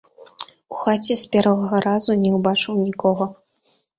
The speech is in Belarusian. У хаце з першага разу не ўбачыў нікога.